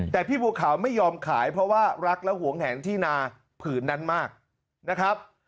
แต่พี่บัวขาวไม่ยอมขายเพราะว่ารักและหวงแหนที่นาผืนนั้นมากนะครับ